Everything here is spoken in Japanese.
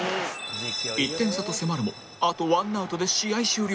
１点差と迫るもあとワンアウトで試合終了